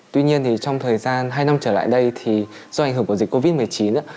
tuy nhiên thì trong thời gian hai năm trở lại đây thì do ảnh hưởng của dịch covid một mươi chín